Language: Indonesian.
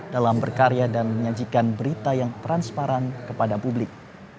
dalam berkarya dan menyajikan berita yang transparan kepada publik